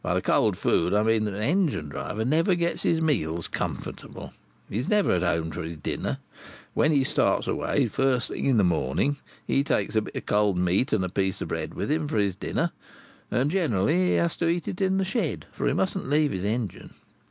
By the cold food, I mean that a engine driver never gets his meals comfortable. He's never at home to his dinner. When he starts away the first thing in the morning, he takes a bit of cold meat and a piece of bread with him for his dinner; and generally he has to eat it in the shed, for he mustn't leave his engine.